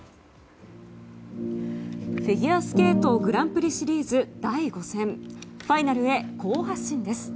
フィギュアスケートグランプリシリーズ第５戦ファイナルへ好発進です。